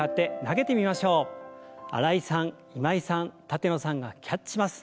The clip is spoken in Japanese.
新井さん今井さん舘野さんがキャッチします。